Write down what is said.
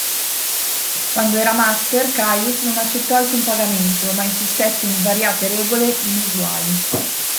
Quando era Master, Caius non accettò alcun pagamento, ma insistette in svariate regole inusuali.